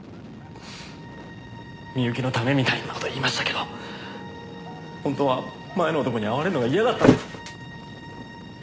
深雪のためみたいな事言いましたけど本当は前の男に会われるのが嫌だったんです。